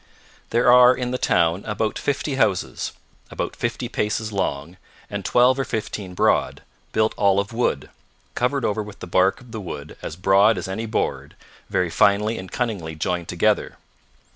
There are in the town about fifty houses, about fifty paces long, and twelve or fifteen broad, built all of wood, covered over with the bark of the wood as broad as any board, very finely and cunningly joined together.